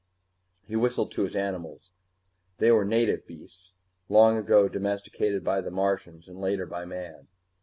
He whistled to his animals. They were native beasts, long ago domesticated by the Martians and later by man.